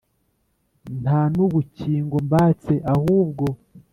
nta n'ubukingo mbatse ahubwo